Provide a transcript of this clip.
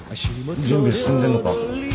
準備進んでんのか？